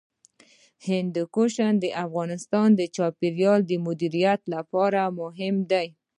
هندوکش د افغانستان د چاپیریال د مدیریت لپاره مهم دي.